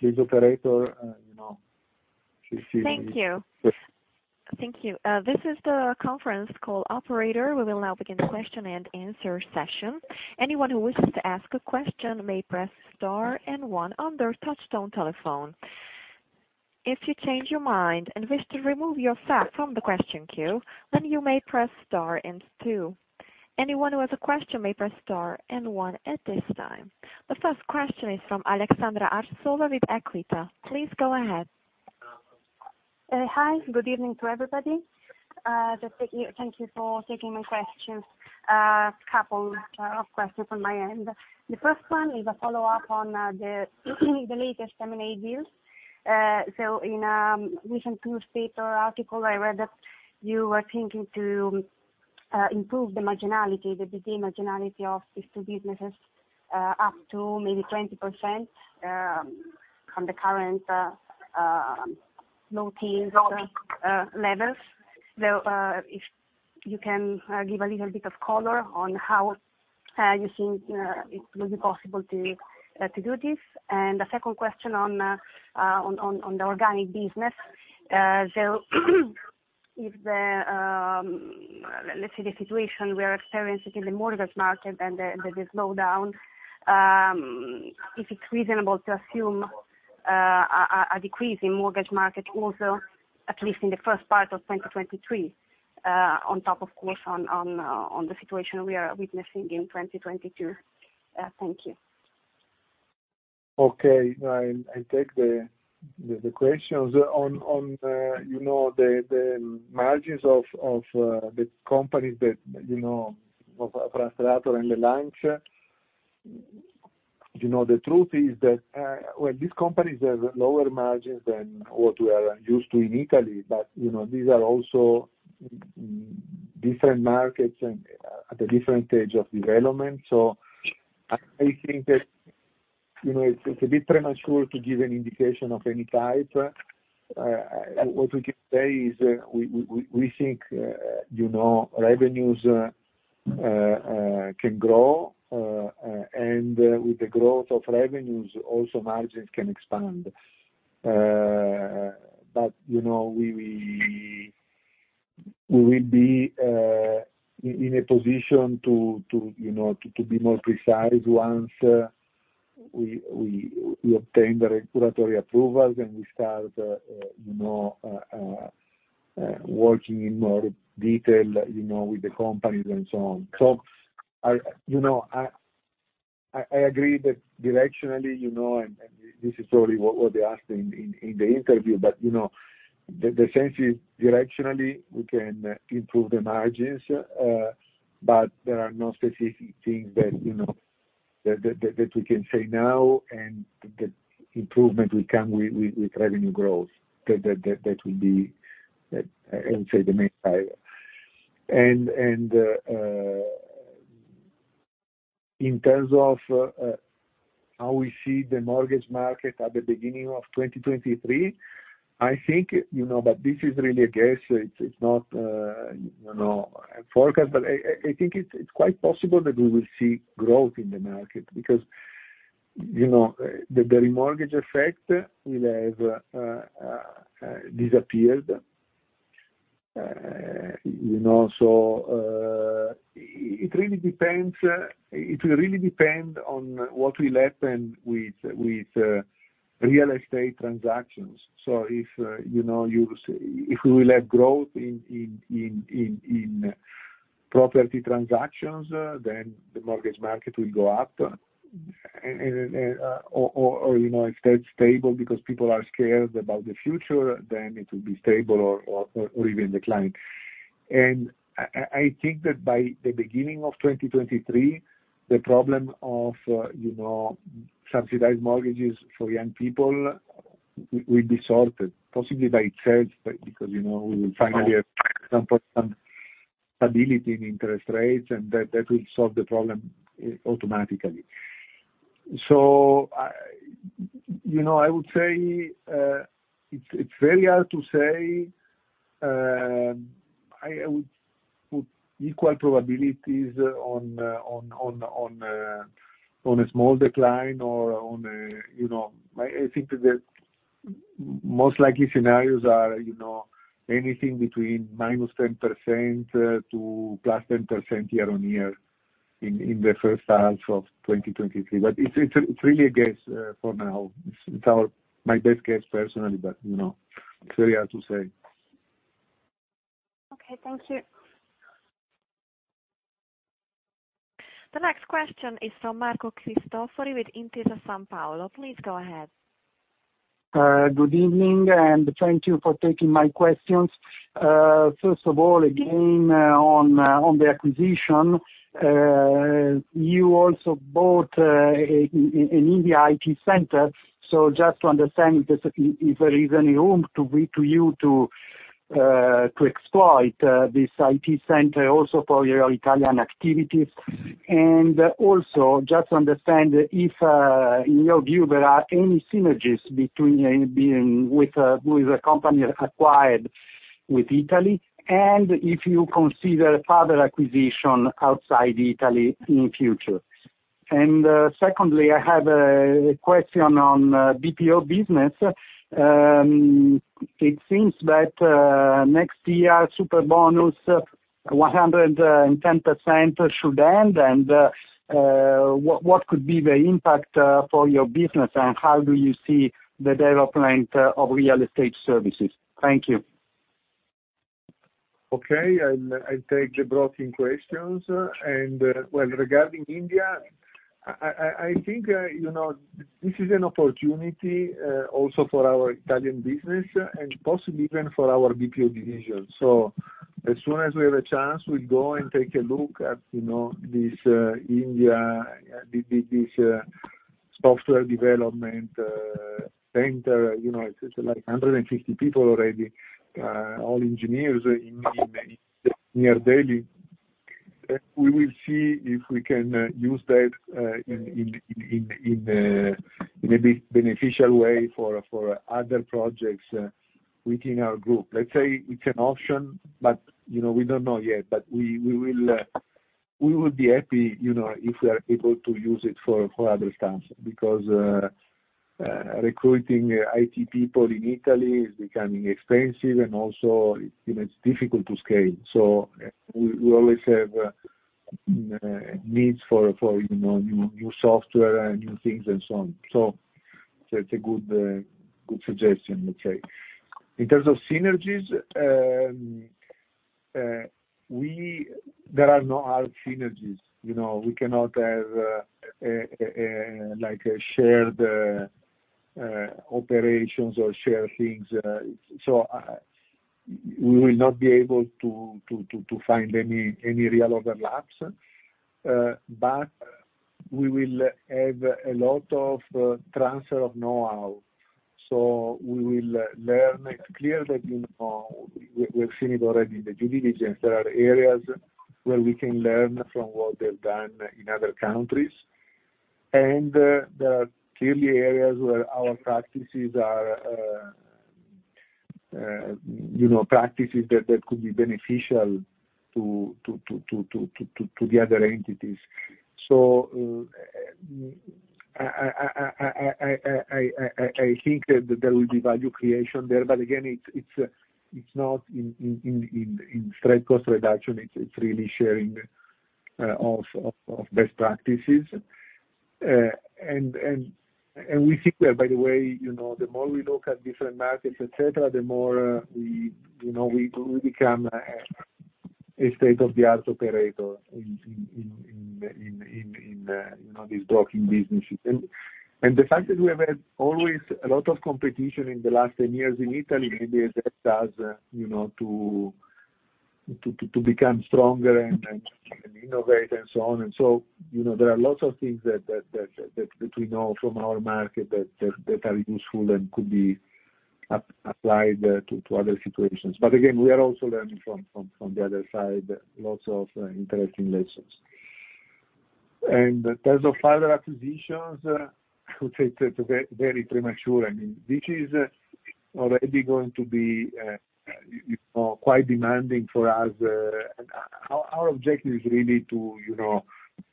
Please, operator, you know, if you Thank you. Yes. Thank you. This is the conference call operator. We will now begin the question and answer session. Anyone who wishes to ask a question may press star and one on their touch-tone telephone. If you change your mind and wish to remove your request from the question queue, then you may press star and two. Anyone who has a question may press star and one at this time. The first question is from Aleksandra Arsova with Equita. Please go ahead. Hi, good evening to everybody. Just thank you for taking my questions. A couple of questions from my end. The first one is a follow-up on the latest M&A deals. II recent Sole 24 Ore article, I read that you were thinking to improve the marginality of these two businesses up to maybe 20%, from the current low teens% levels. If you can give a little bit of color on how you think it will be possible to do this. The second question on the organic business. If the situation we are experiencing in the mortgage market and the slowdown, if it's reasonable to assume a decrease in mortgage market also, at least in the first part of 2023, on top of course on the situation we are witnessing in 2022. Thank you. I'll take the questions. On the margins of the companies of Rastreator and LeLynx. You know, the truth is that, well, these companies have lower margins than what we are used to in Italy, but, you know, these are also different markets and at a different stage of development. I think that, you know, it's a bit premature to give an indication of any type. What we can say is we think, you know, revenues can grow and with the growth of revenues also margins can expand. You know, we will be in a position to, you know, to be more precise once we obtain the regulatory approvals and we start, you know, working in more detail, you know, with the companies and so on. I, you know, I agree that directionally, you know, and this is probably what they asked in the interview, but, you know, the sense is directionally we can improve the margins, but there are no specific things that, you know, that we can say now, and the improvement will come with revenue growth. That will be, let's say, the main driver. In terms of how we see the mortgage market at the beginning of 2023, I think, you know, but this is really a guess. It's not, you know, a forecast, but I think it's quite possible that we will see growth in the market because, you know, the remortgage effect will have disappeared. You know, it really depends. It will really depend on what will happen with real estate transactions. If we will have growth in property transactions, then the mortgage market will go up. Or, you know, if they're stable because people are scared about the future, then it will be stable or even decline. I think that by the beginning of 2023, the problem of you know subsidized mortgages for young people will be sorted, possibly by itself, but because you know we will finally have some stability in interest rates, and that will solve the problem automatically. I you know would say it's very hard to say. I would put equal probabilities on a small decline or on you know I think that most likely scenarios are you know anything between -10%-+10% year-on-year in the first half of 2023. But it's really a guess for now. It's our my best guess personally, but you know it's very hard to say. Okay, thank you. The next question is from Marco Cristofari with Intesa Sanpaolo. Please go ahead. Good evening, and thank you for taking my questions. First of all, again, on the acquisition, you also bought an Indian IT center. So just to understand if there is any room to exploit this IT center also for your Italian activities. Also, just understand if, in your view, there are any synergies between being with a company acquired in Italy, and if you consider further acquisition outside Italy in future. Secondly, I have a question on BPO business. It seems that next year Superbonus 110% should end, and what could be the impact for your business, and how do you see the development of real estate services? Thank you. Okay. I'll take the broking questions. Well, regarding India, I think, you know, this is an opportunity also for our Italian business and possibly even for our BPO division. As soon as we have a chance, we'll go and take a look at, you know, this India software development center. You know, it's like 150 people already, all engineers near Delhi. We will see if we can use that in a beneficial way for other projects within our group. Let's say it's an option, but, you know, we don't know yet. We would be happy, you know, if we are able to use it for other stamps because recruiting IT people in Italy is becoming expensive, and also it's, you know, it's difficult to scale. We always have needs for, you know, new software and new things and so on. That's a good suggestion, let's say. In terms of synergies, there are no hard synergies. You know, we cannot have like a shared operations or shared things. We will not be able to find any real overlaps, but we will have a lot of transfer of know-how. We will learn. It's clear that, you know, we've seen it already in the due diligence. There are areas where we can learn from what they've done in other countries, and there are clearly areas where our practices are, you know, practices that could be beneficial to the other entities. I think that there will be value creation there, but again, it's not in straight cost reduction. It's really sharing of best practices. We think that, by the way, you know, the more we look at different markets, et cetera, the more we, you know, we become a state-of-the-art operator in these broking businesses. The fact that we have had always a lot of competition in the last 10 years in Italy, maybe it helps us, you know, to become stronger and innovate and so on. You know, there are lots of things that we know from our market that are useful and could be applied to other situations. Again, we are also learning from the other side, lots of interesting lessons. In terms of other acquisitions, I would say it's very, very premature. I mean, this is already going to be, you know, quite demanding for us. Our objective is really to, you know,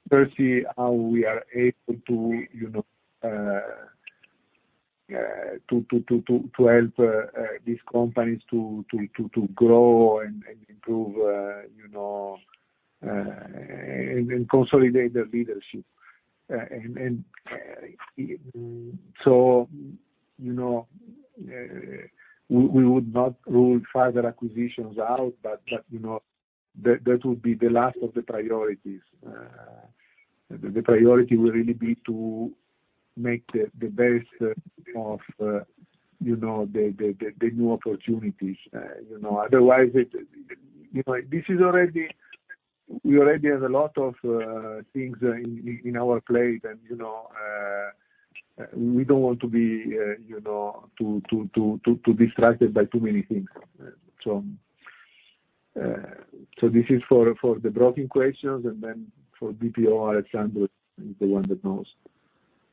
first see how we are able to, you know, to help these companies to grow and improve, you know, and consolidate their leadership. We would not rule further acquisitions out, but you know, that would be the last of the priorities. The priority will really be to make the best of, you know, the new opportunities. You know, otherwise it. You know, this is already. We already have a lot of things on our plate and, you know, we don't want to be, you know, too distracted by too many things. This is for the broking questions, and then for BPO, Alessandro is the one that knows.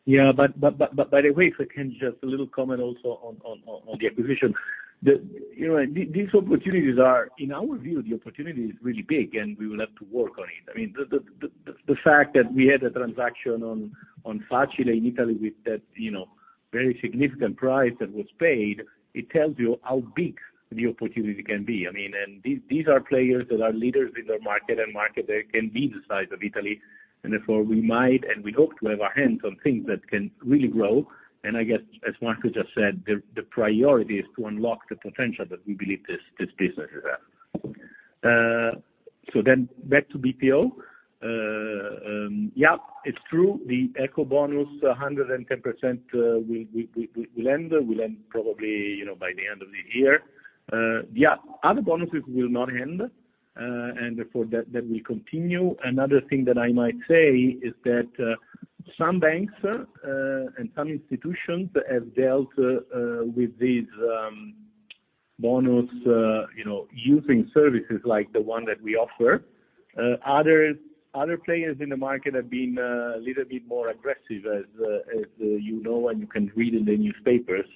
Yeah. By the way, if I can just a little comment also on the acquisition. You know, these opportunities are. In our view, the opportunity is really big, and we will have to work on it. I mean, the fact that we had a transaction on Facile.it in Italy with that, you know, very significant price that was paid, it tells you how big the opportunity can be. I mean, these are players that are leaders in their market, and market there can be the size of Italy. Therefore, we might, and we hope to have our hands on things that can really grow. I guess, as Marco just said, the priority is to unlock the potential that we believe this business will have. Back to BPO. Yeah, it's true, the Ecobonus 110%, will end. Will end probably, you know, by the end of the year. Yeah. Other bonuses will not end, and therefore that will continue. Another thing that I might say is that some banks and some institutions have dealt with these bonuses, you know, using services like the one that we offer. Other players in the market have been a little bit more aggressive, as you know and you can read in the newspapers.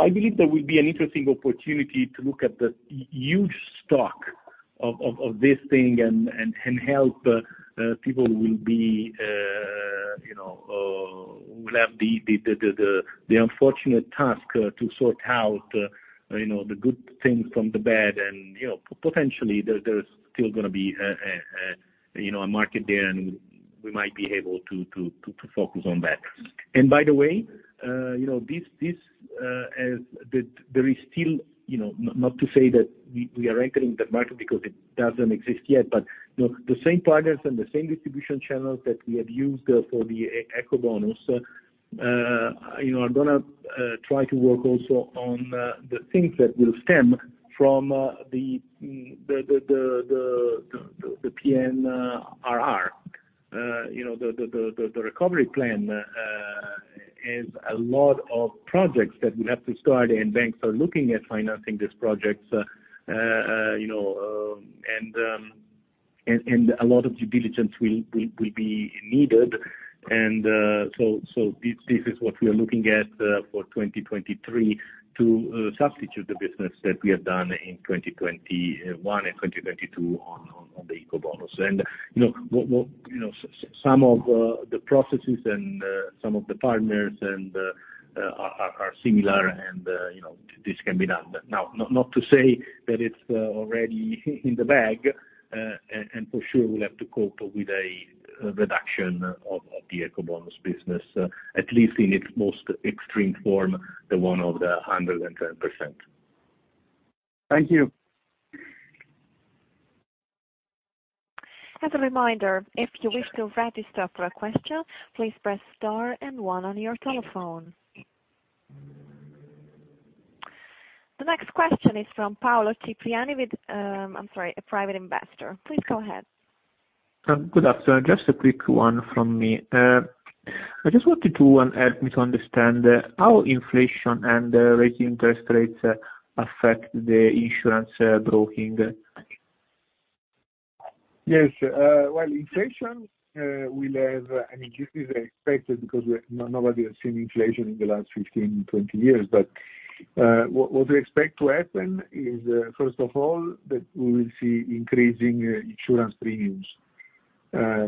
I believe there will be an interesting opportunity to look at the huge stock of this thing and help people who will be. You know, we'll have the unfortunate task to sort out, you know, the good things from the bad and, you know, potentially there is still gonna be a market there, and we might be able to focus on that. By the way, you know, there is still, you know, not to say that we are entering the market because it doesn't exist yet. You know, the same partners and the same distribution channels that we have used for the Ecobonus, you know, are gonna try to work also on the things that will stem from the PNRR. You know, the recovery plan has a lot of projects that will have to start, and banks are looking at financing these projects. You know, a lot of due diligence will be needed. This is what we are looking at for 2023 to substitute the business that we have done in 2021 and 2022 on the Ecobonus. You know, some of the processes and some of the partners are similar, and you know, this can be done. Not to say that it's already in the bag. For sure we'll have to cope with a reduction of the Ecobonus business, at least in its most extreme form, the one of the 110%. Thank you. As a reminder, if you wish to register for a question, please press star and one on your telephone. The next question is from Paolo Cipriani with, I'm sorry, a private investor. Please go ahead. Good afternoon. Just a quick one from me. I just wanted to help me to understand how inflation and rising interest rates affect the insurance broking? Yes. Well, inflation will have an impact as expected. Nobody has seen inflation in the last 15, 20 years. What we expect to happen is, first of all, that we will see increasing insurance premiums,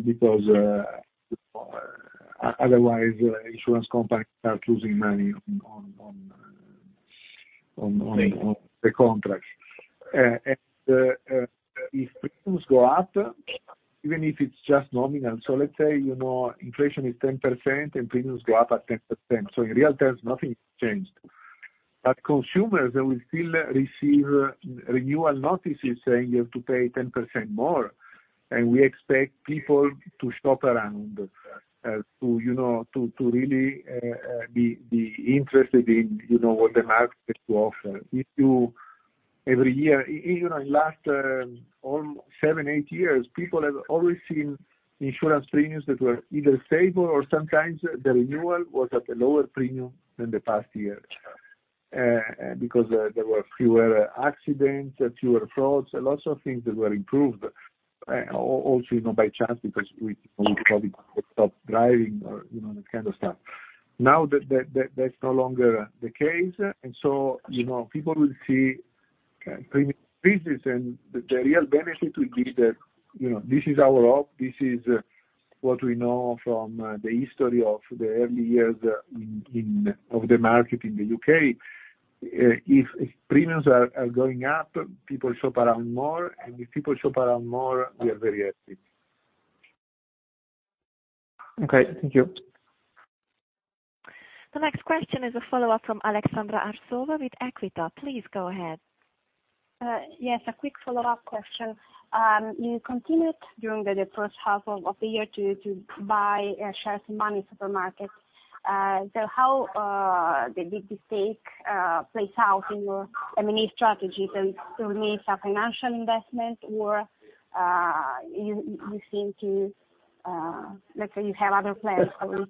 because otherwise insurance companies start losing money on the contracts. If premiums go up, even if it's just nominal. Let's say, you know, inflation is 10% and premiums go up at 10%. In real terms, nothing's changed. Consumers, they will still receive renewal notices saying you have to pay 10% more. We expect people to shop around, to, you know, to really be interested in, you know, what the market to offer. If you... Every year, even in the last seven, eight years, people have always seen insurance premiums that were either stable or sometimes the renewal was at a lower premium than the past year, because there were fewer accidents, fewer frauds, lots of things that were improved. Also, you know, by chance because we probably stopped driving or, you know, that kind of stuff. Now that's no longer the case. People will see premium increases, and the real benefit will be that, you know, this is our hope. This is what we know from the history of the early years of the market in the UK. If premiums are going up, people shop around more. If people shop around more, we are very happy. Okay. Thank you. The next question is a follow-up from Aleksandra Arsova with Equita. Please go ahead. Yes, a quick follow-up question. You continued during the first half of the year to buy shares in Moneysupermarket. How the big stake plays out in your M&A strategy then? It makes a financial investment or you seem to, let's say, you have other plans for it.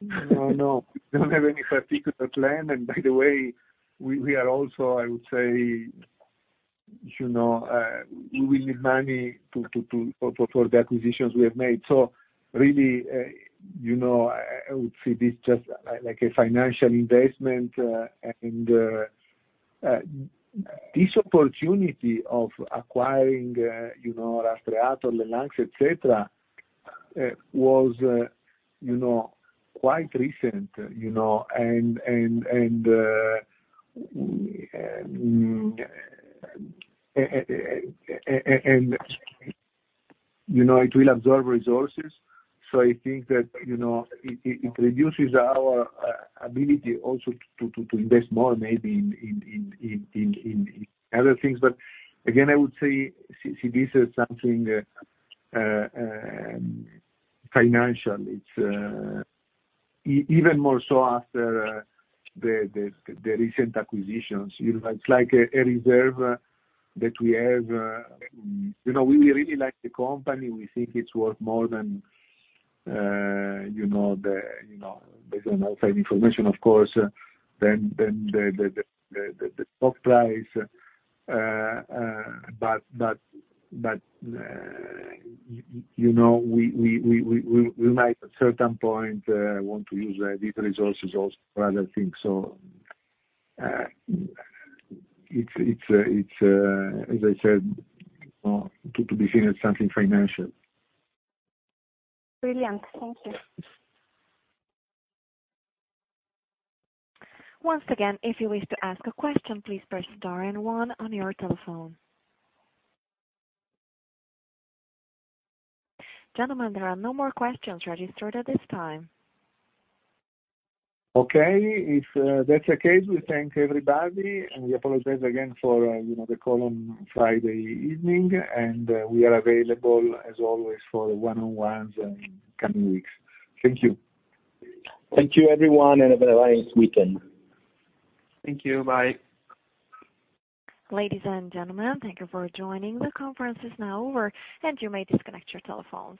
No, no. We don't have any particular plan. By the way, we are also, I would say, you know, we will need money for the acquisitions we have made. Really, you know, I would see this just like a financial investment. This opportunity of acquiring, you know, Rastreator, LeLynx.fr, et cetera, was, you know, quite recent, you know. It will absorb resources. I think that, you know, it reduces our ability also to invest more maybe in other things. Again, I would say see this as something financial. It's even more so after the recent acquisitions. You know, it's like a reserve that we have. You know, we really like the company. We think it's worth more than you know the stock price, based on outside information, of course, than the stock price. But you know, we might at certain point want to use these resources also for other things. It's as I said, you know, to be seen as something financial. Brilliant. Thank you. Once again, if you wish to ask a question, please press star and one on your telephone. Gentlemen, there are no more questions registered at this time. Okay. If that's the case, we thank everybody, and we apologize again for you know, the call on Friday evening. We are available as always for one-on-ones in coming weeks. Thank you. Thank you, everyone, and have a nice weekend. Thank you. Bye. Ladies and gentlemen, thank you for joining. The conference is now over, and you may disconnect your telephones.